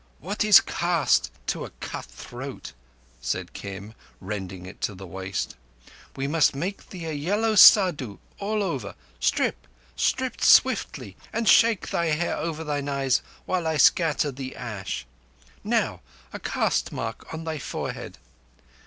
"What is caste to a cut throat?" said Kim, rending it to the waist. "We must make thee a yellow Saddhu all over. Strip—strip swiftly, and shake thy hair over thine eyes while I scatter the ash. Now, a caste mark on thy forehead."